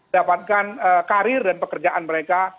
dapatkan karir dan pekerjaan mereka